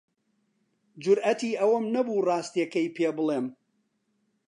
جورئەتی ئەوەم نەبوو ڕاستییەکەی پێ بڵێم.